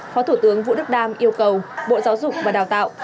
phó thủ tướng vũ đức đam yêu cầu bộ giáo dục và đào tạo